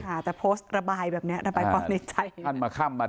แต่โพสต์ระบายในใจ